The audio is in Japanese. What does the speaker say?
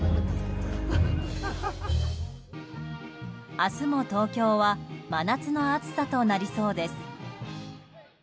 明日も東京は真夏の暑さとなりそうです。